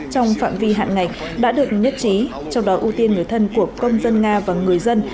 trong phạm vi hạn ngạch đã được nhất trí trong đó ưu tiên người thân của công dân nga và người dân